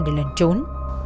để lần trốn